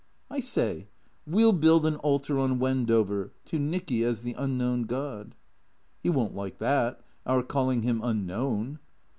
" I say — we '11 build an altar on Wendover, to Nicky as the Unknown God." " He won't like that, our calling him unknown."